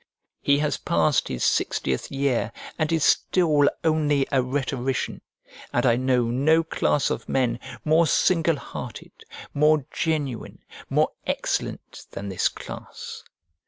He has passed his sixtieth year and is still only a rhetorician, and I know no class of men more single hearted, more genuine, more excellent than this class.